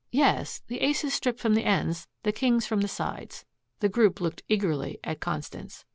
"Yes. The aces stripped from the ends, the kings from the sides." The group looked eagerly at Constance.